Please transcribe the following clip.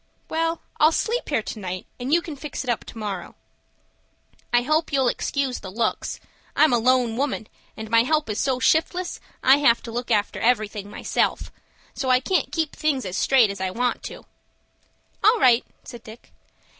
"Well, I'll sleep here to night, and you can fix it up to morrow." "I hope you'll excuse the looks. I'm a lone woman, and my help is so shiftless, I have to look after everything myself; so I can't keep things as straight as I want to." "All right!" said Dick.